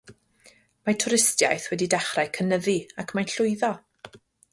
mae twristiaeth wedi dechrau cynyddu ac mae'n llwyddo.